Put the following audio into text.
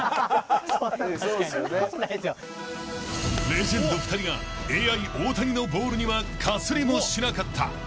［レジェンド２人がＡＩ大谷のボールにはかすりもしなかった］